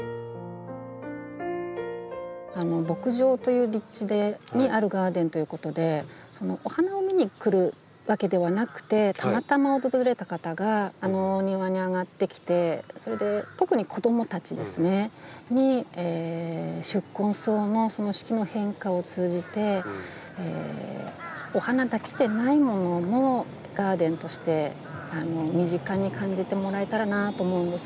牧場という立地にあるガーデンということでお花を見に来るわけではなくてたまたま訪れた方があのお庭に上がってきてそれで特に子どもたちに宿根草の四季の変化を通じてお花だけでないものもガーデンとして身近に感じてもらえたらなと思うんですね。